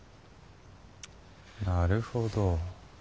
なるほど。